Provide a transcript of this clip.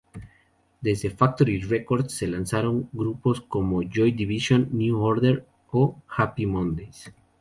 Desde Factory Records se lanzaron grupos como Joy Division, New Order o Happy Mondays.